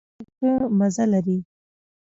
د سهار چای ښه مزه لري.